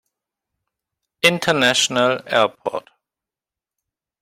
International Airport.